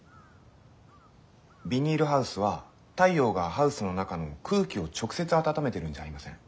ビニールハウスは太陽がハウスの中の空気を直接温めてるんじゃありません。